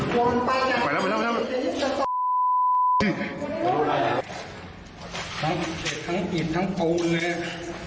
ทั้งอิดเกล็ดทั้งอิดทั้งโปรง